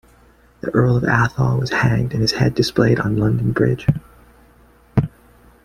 The Earl of Atholl was hanged and his head displayed on London Bridge.